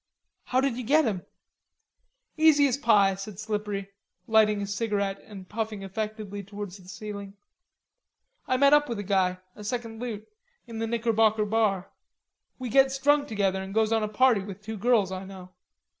"How did you get 'em?" "Easy as pie," said Slippery, lighting a cigarette and puffing affectedly towards the ceiling. "I met up with a guy, a second loot, in the Knickerbocker Bar. We gets drunk together, an' goes on a party with two girls I know.